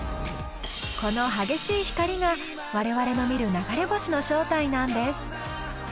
この激しい光が我々の見る流れ星の正体なんです。